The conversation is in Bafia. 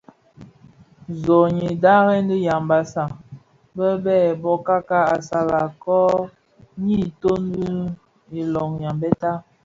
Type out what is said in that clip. Zonйyi dharèn dhi Yambassa be a bokaka assalaKon=ňyi toň bil iloň Yambéta.